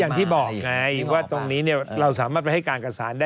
อย่างที่บอกไงว่าตรงนี้เราสามารถไปให้การกับสารได้